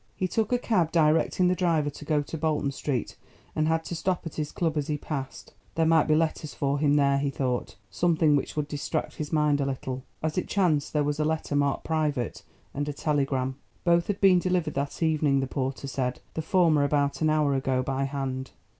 He took a cab directing the driver to go to Bolton Street and to stop at his club as he passed. There might be letters for him there, he thought—something which would distract his mind a little. As it chanced there was a letter, marked "private," and a telegram; both had been delivered that evening, the porter said, the former about an hour ago by hand.